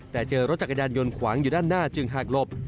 แต่เจอรถจักรยานยนต์ขวางอยู่ด้านหน้าจึงหากหลบ